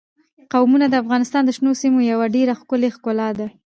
قومونه د افغانستان د شنو سیمو یوه ډېره ښکلې ښکلا ده.